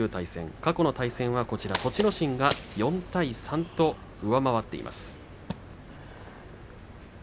過去の対戦は栃ノ心が４対３と上回っています。